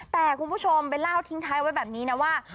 แต่คุณผู้ชมเบลเล่าทิ้งท้ายไว้แบบนี้นะว่า